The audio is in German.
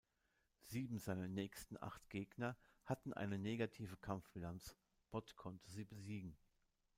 Sieben seiner nächsten acht Gegner hatten eine negative Kampfbilanz, Bott konnte sie besiegen.